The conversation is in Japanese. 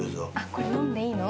これ飲んでいいの？